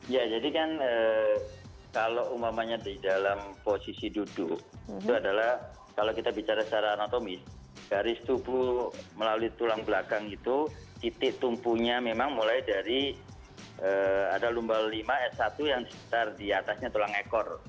ya jadi kan kalau umpamanya di dalam posisi duduk itu adalah kalau kita bicara secara anatomis garis tubuh melalui tulang belakang itu titik tumpunya memang mulai dari ada lumba lima s satu yang sekitar diatasnya tulang ekor